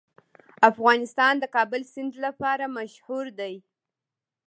افغانستان د د کابل سیند لپاره مشهور دی.